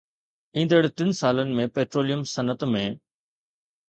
ايندڙ ٽن سالن ۾ پيٽروليم صنعت ۾